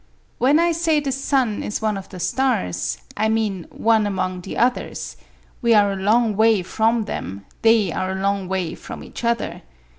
When I say the sun is one of the stars, I mean one among the others; we are a long way from them, they are a long way from each other.